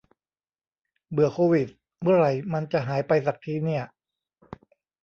เบื่อโควิด เมื่อไหร่มันจะหายไปสักทีเนี่ย